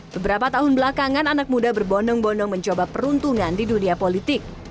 beberapa tahun belakangan anak muda berbondong bondong mencoba peruntungan di dunia politik